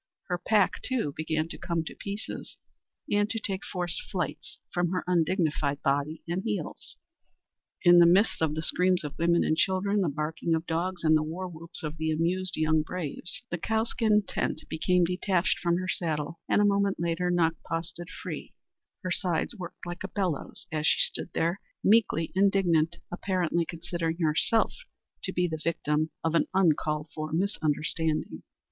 Her pack, too, began to come to pieces and to take forced flights from her undignified body and heels, in the midst of the screams of women and children, the barking of dogs, and the war whoops of the amused young braves. The cowskin tent became detached from her saddle, and a moment later Nakpa stood free. Her sides worked like a bellows as she stood there, meekly indignant, apparently considering herself to be the victim of an uncalled for misunderstanding.